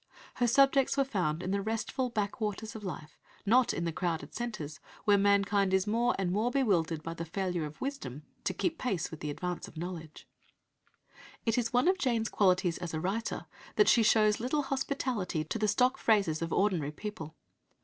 Her subjects were found in the restful backwaters of life, not in the crowded centres where mankind is more and more bewildered by the failure of wisdom to keep pace with the advance of knowledge. It is one of Jane's qualities as a writer that she shows little hospitality to the stock phrases of ordinary people.